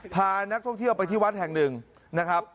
พานักท่องเที่ยวไปที่วัดแห่งหนึ่งนะครับ